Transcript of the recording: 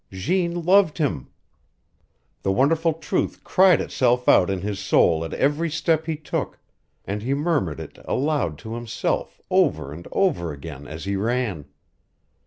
Jeanne loved him! The wonderful truth cried itself out in his soul at every step he took, and he murmured it aloud to himself, over and over again, as he ran.